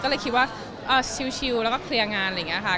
ก็เลยคิดว่าชิลแล้วก็เคลียร์งานอะไรอย่างนี้ค่ะ